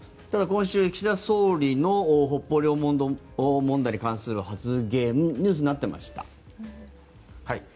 ただ今週、岸田総理の北方領土問題に関する発言ニュースになっていました。